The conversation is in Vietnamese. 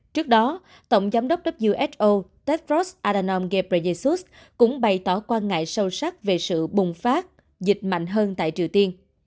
trước đó tổng giám đốc who tedros adhanom ghebreyesus cũng bày tỏ quan ngại sâu sắc về sự bùng phát dịch mạnh hơn tại triều tiên